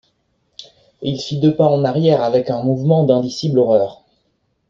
Et il fit deux pas en arrière avec un mouvement d’indicible horreur.